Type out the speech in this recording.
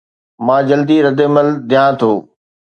مان جلدي ردعمل ڏيان ٿو